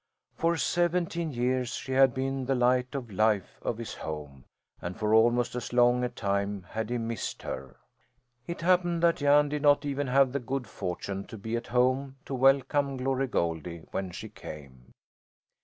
For seventeen years she had been the light and life of his home, and for almost as long a time had he missed her. It happened that Jan did not even have the good fortune to be at home to welcome Glory Goldie when she came.